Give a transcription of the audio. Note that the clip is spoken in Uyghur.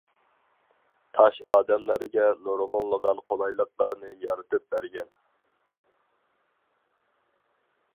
تاش ئادەملەرگە نۇرغۇنلىغان قولايلىقلارنى يارىتىپ بەرگەن.